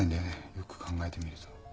よく考えてみると。